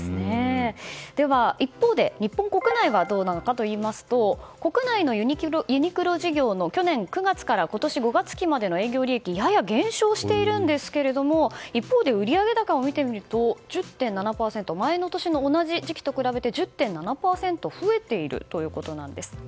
では、一方で日本国内はどうなのかといいますと国内のユニクロ事業の去年９月から今年５月期までの営業利益はやや減少しているんですが一方で売上高を見てみると１０．７％、前の年の同じ時期と比べて増えているというんです。